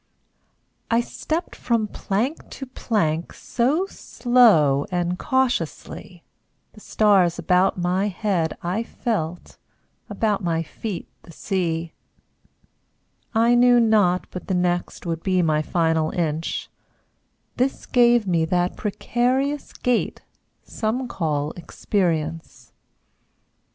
I stepped from plank to plank So slow and cautiously; The stars about my head I felt, About my feet the sea. I knew not but the next Would be my final inch, This gave me that precarious gait Some call experience.